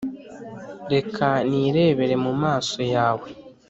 reka nirebere mu maso yawe,